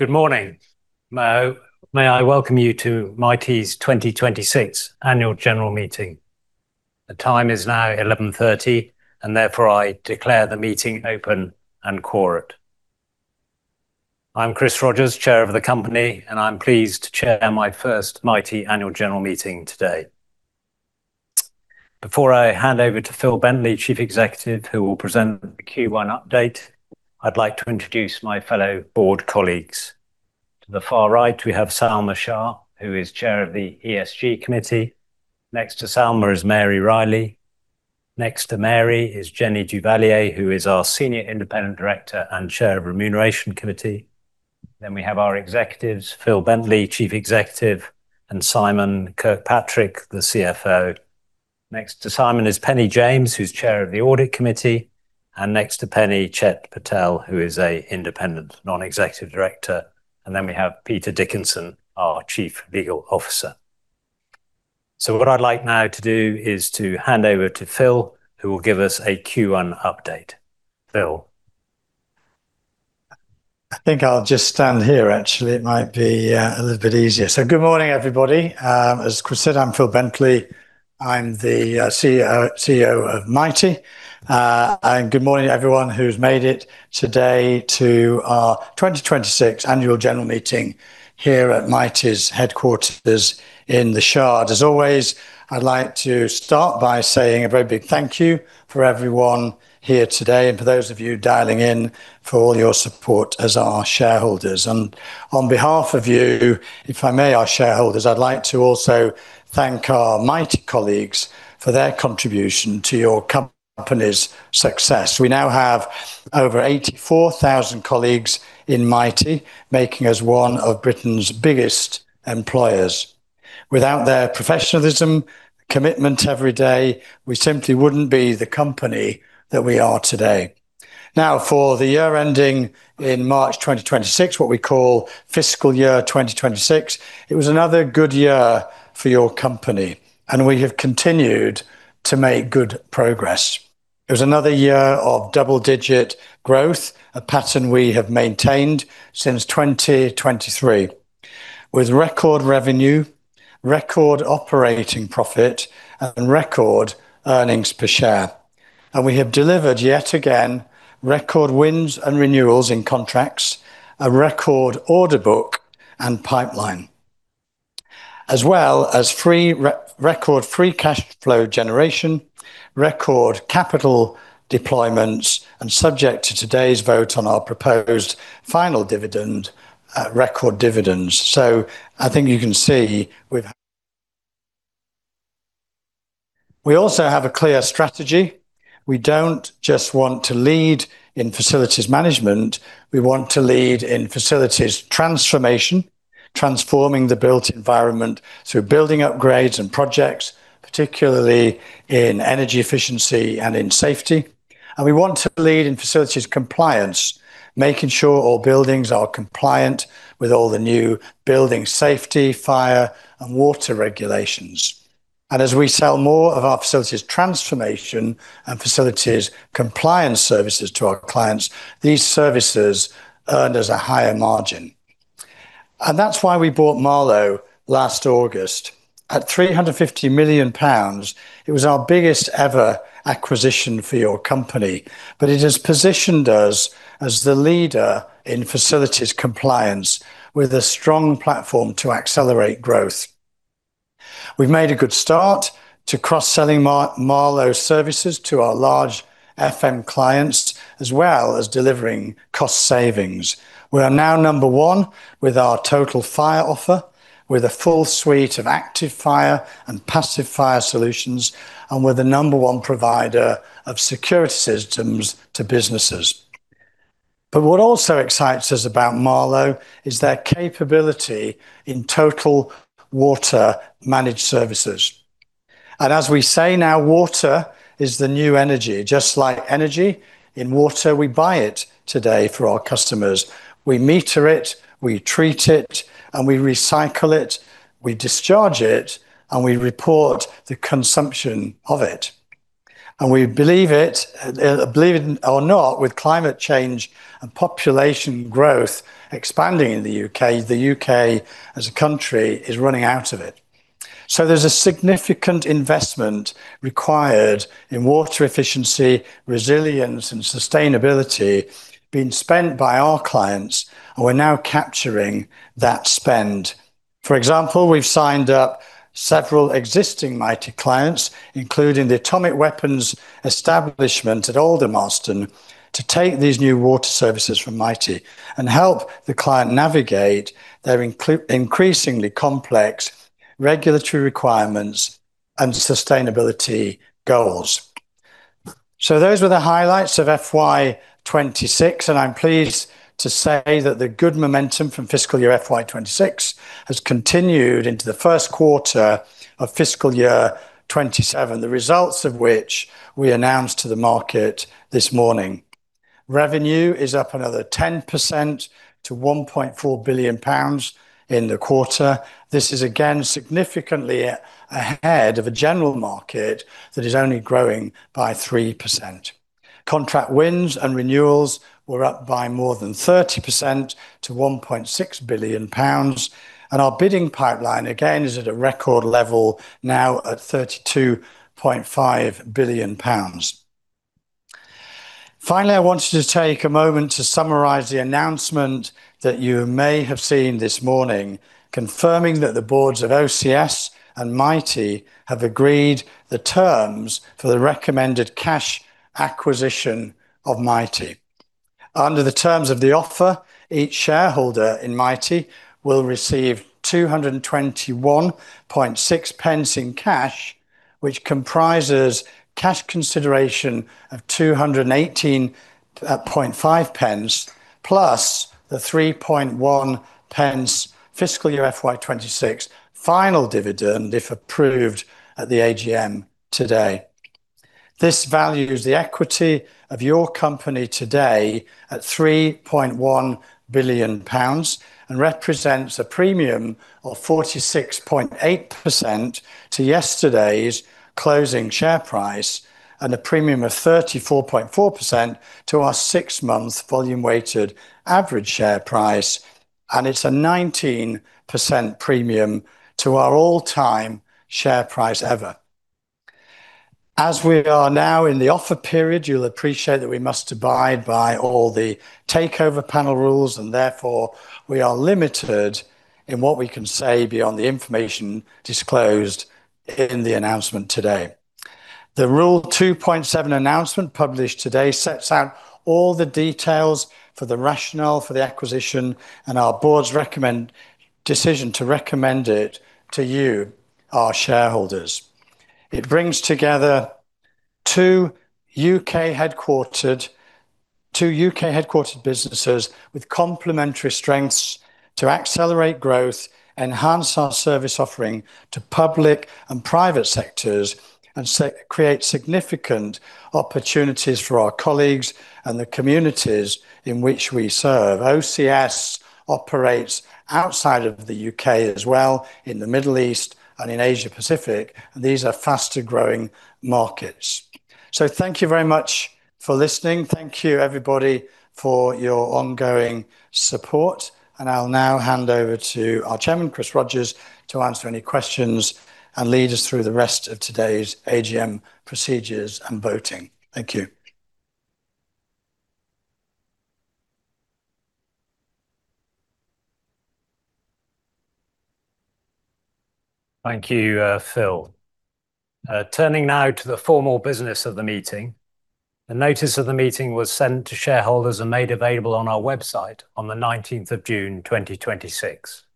Good morning. May I welcome you to Mitie's 2026 Annual General Meeting. The time is now 11:30, and therefore I declare the meeting open and quorate. I'm Chris Rogers, Chair of the company, and I'm pleased to Chair my first Mitie Annual General Meeting today. Before I hand over to Phil Bentley, Chief Executive, who will present the Q1 update, I'd like to introduce my fellow board colleagues. To the far right, we have Salma Shah, who is Chair of the ESG Committee. Next to Salma is Mary Reilly. Next to Mary is Jennifer Duvalier, who is our Senior Independent Director and Chair of Remuneration Committee. We have our executives, Phil Bentley, Chief Executive, and Simon Kirkpatrick, the CFO. Next to Simon is Penny James, who's Chair of the Audit Committee, and next to Penny, Chet Patel, who is an Independent Non-Executive Director. We have Peter Dickinson, our Chief Legal Officer. What I'd like now to do is to hand over to Phil, who will give us a Q1 update. Phil. I think I'll just stand here, actually. It might be a little bit easier. Good morning, everybody. As Chris said, I'm Phil Bentley. I'm the CEO of Mitie. Good morning everyone who's made it today to our 2026 annual general meeting here at Mitie's headquarters in The Shard. As always, I'd like to start by saying a very big thank you for everyone here today and for those of you dialing in for all your support as our shareholders. On behalf of you, if I may, our shareholders, I'd like to also thank our Mitie colleagues for their contribution to your company's success. We now have over 84,000 colleagues in Mitie, making us one of Britain's biggest employers. Without their professionalism, commitment every day, we simply wouldn't be the company that we are today. For the year ending in March 2026, what we call fiscal year 2026, it was another good year for your company, and we have continued to make good progress. It was another year of double-digit growth, a pattern we have maintained since 2023, with record revenue, record operating profit, and record earnings per share. We have delivered, yet again, record wins and renewals in contracts, a record order book and pipeline, as well as record free cash flow generation, record capital deployments, and subject to today's vote on our proposed final dividend, record dividends. We also have a clear strategy. We don't just want to lead in facilities management. We want to lead in facilities transformation, transforming the built environment through building upgrades and projects, particularly in energy efficiency and in safety. We want to lead in facilities compliance, making sure all buildings are compliant with all the new building safety, fire, and water regulations. As we sell more of our facilities transformation and facilities compliance services to our clients, these services earned us a higher margin. That's why we bought Marlowe last August. At 350 million pounds, it was our biggest ever acquisition for your company, but it has positioned us as the leader in facilities compliance with a strong platform to accelerate growth. We've made a good start to cross-selling Marlowe services to our large FM clients, as well as delivering cost savings. We are now number one with our total fire offer, with a full suite of active fire and passive fire solutions, and we're the number one provider of security systems to businesses. What also excites us about Marlowe is their capability in total water managed services. As we say now, water is the new energy. Just like energy, in water, we buy it today for our customers. We meter it, we treat it, we recycle it, we discharge it, and we report the consumption of it. Believe it or not, with climate change and population growth expanding in the U.K., the U.K. as a country is running out of it. There's a significant investment required in water efficiency, resilience, and sustainability being spent by our clients, and we're now capturing that spend. For example, we've signed up several existing Mitie clients, including the Atomic Weapons Establishment at Aldermaston, to take these new water services from Mitie and help the client navigate their increasingly complex regulatory requirements and sustainability goals. Those were the highlights of FY 2026, and I'm pleased to say that the good momentum from fiscal year 2026 has continued into the first quarter of fiscal year 2027, the results of which we announced to the market this morning. Revenue is up another 10% to 1.4 billion pounds in the quarter. This is again significantly ahead of a general market that is only growing by 3%. Contract wins and renewals were up by more than 30% to 1.6 billion pounds. Our bidding pipeline, again, is at a record level now at 32.5 billion pounds. Finally, I wanted to take a moment to summarize the announcement that you may have seen this morning confirming that the boards of OCS and Mitie have agreed the terms for the recommended cash acquisition of Mitie. Under the terms of the offer, each shareholder in Mitie will receive 221.6 pence in cash, which comprises cash consideration of 2.185, plus the 0.031 fiscal year 2026 final dividend, if approved at the AGM today. This values the equity of your company today at 3.1 billion pounds and represents a premium of 46.8% to yesterday's closing share price, and a premium of 34.4% to our six-month volume weighted average share price, and it's a 19% premium to our all-time share price ever. As we are now in the offer period, you'll appreciate that we must abide by all the takeover panel rules, and therefore, we are limited in what we can say beyond the information disclosed in the announcement today. The Rule 2.7 announcement published today sets out all the details for the rationale for the acquisition and our boards' decision to recommend it to you, our shareholders. It brings together two U.K.-headquartered businesses with complementary strengths to accelerate growth, enhance our service offering to public and private sectors, and create significant opportunities for our colleagues and the communities in which we serve. OCS operates outside of the U.K. as well in the Middle East and in Asia Pacific, and these are faster-growing markets. Thank you very much for listening. Thank you everybody for your ongoing support, and I'll now hand over to our Chairman, Chris Rogers, to answer any questions and lead us through the rest of today's AGM procedures and voting. Thank you. Thank you, Phil. Turning now to the formal business of the meeting. The notice of the meeting was sent to shareholders and made available on our website on the 19th of June 2026.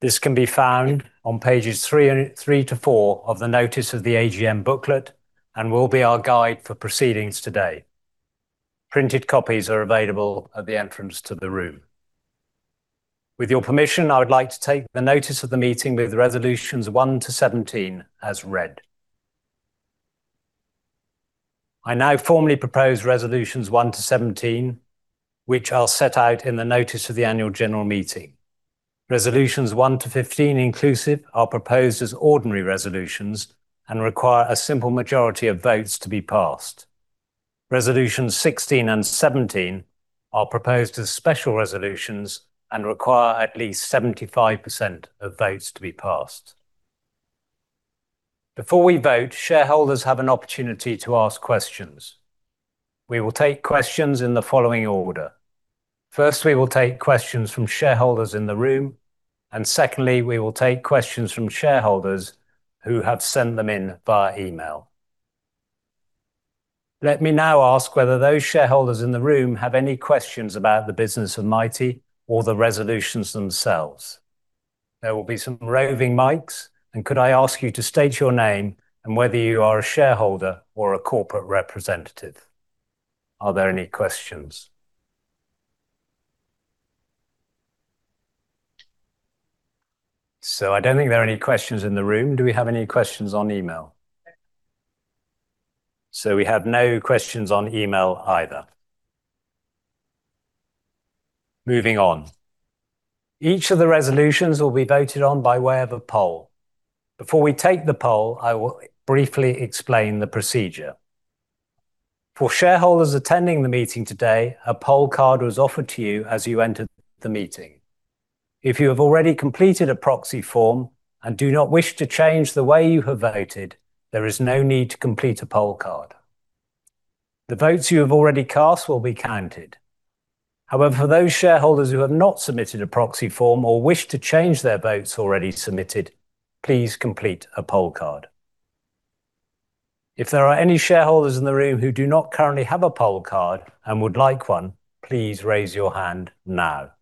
This can be found on pages three to four of the notice of the AGM booklet and will be our guide for proceedings today. Printed copies are available at the entrance to the room. With your permission, I would like to take the notice of the meeting with Resolutions 1 to 17 as read. I now formally propose Resolutions 1 to 17, which I'll set out in the notice of the annual general meeting. Resolutions 1 to 15 inclusive are proposed as ordinary resolutions and require a simple majority of votes to be passed. Resolutions 16 and 17 are proposed as special resolutions and require at least 75% of votes to be passed. Before we vote, shareholders have an opportunity to ask questions. We will take questions in the following order. First, we will take questions from shareholders in the room, and secondly, we will take questions from shareholders who have sent them in via email. Let me now ask whether those shareholders in the room have any questions about the business of Mitie or the resolutions themselves. There will be some roving mics, and could I ask you to state your name and whether you are a shareholder or a corporate representative. Are there any questions? I don't think there are any questions in the room. Do we have any questions on email? We have no questions on email either. Moving on. Each of the resolutions will be voted on by way of a poll. Before we take the poll, I will briefly explain the procedure. For shareholders attending the meeting today, a poll card was offered to you as you entered the meeting. If you have already completed a proxy form and do not wish to change the way you have voted, there is no need to complete a poll card. The votes you have already cast will be counted. However, for those shareholders who have not submitted a proxy form or wish to change their votes already submitted, please complete a poll card. If there are any shareholders in the room who do not currently have a poll card and would like one, please raise your hand now.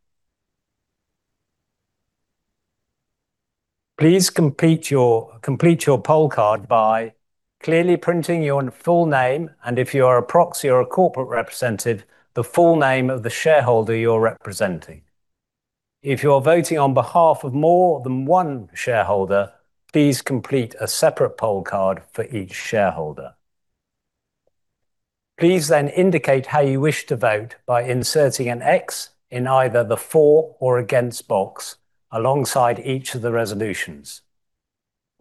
Please complete your poll card by clearly printing your full name, and if you are a proxy or a corporate representative, the full name of the shareholder you're representing. If you are voting on behalf of more than one shareholder, please complete a separate poll card for each shareholder. Please then indicate how you wish to vote by inserting an X in either the for or against box alongside each of the resolutions.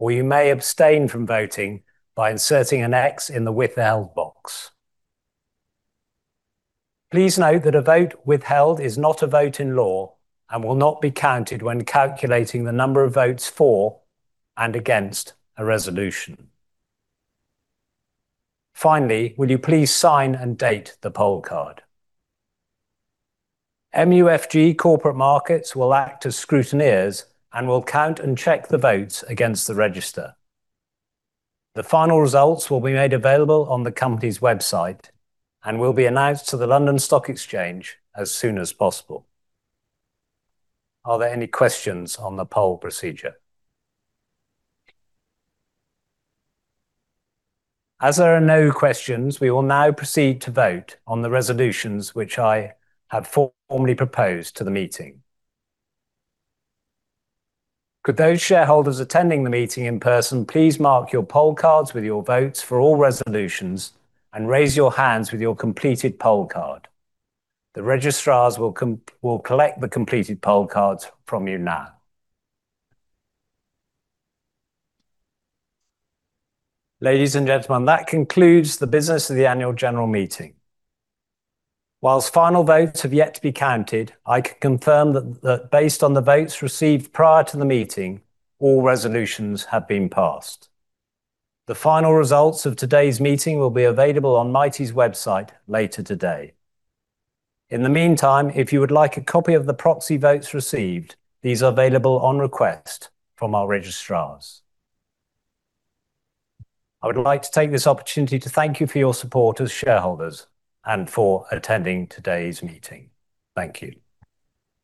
You may abstain from voting by inserting an X in the withheld box. Please note that a vote withheld is not a vote in law and will not be counted when calculating the number of votes for and against a resolution. Finally, will you please sign and date the poll card? MUFG Corporate Markets will act as scrutineers and will count and check the votes against the register. The final results will be made available on the company's website and will be announced to the London Stock Exchange as soon as possible. Are there any questions on the poll procedure? There are no questions, we will now proceed to vote on the resolutions which I had formally proposed to the meeting. Could those shareholders attending the meeting in person please mark your poll cards with your votes for all resolutions and raise your hands with your completed poll card. The registrars will collect the completed poll cards from you now. Ladies and gentlemen, that concludes the business of the annual general meeting. While final votes have yet to be counted, I can confirm that based on the votes received prior to the meeting, all resolutions have been passed. The final results of today's meeting will be available on Mitie's website later today. In the meantime, if you would like a copy of the proxy votes received, these are available on request from our registrars. I would like to take this opportunity to thank you for your support as shareholders and for attending today's meeting. Thank you.